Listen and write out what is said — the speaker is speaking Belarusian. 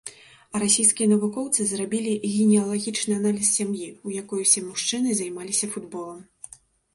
А расійскія навукоўцы зрабілі генеалагічны аналіз сям'і, у якой усе мужчыны займаліся футболам.